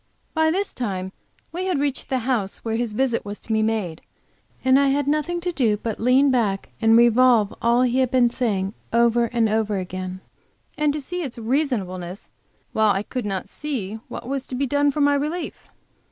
By this time we had reached the house where his visit was to be made, and I had nothing to do but lean back and revolve all he had been saying, over and over again, and to see its reasonableness while I could not see what was so be done for my relief.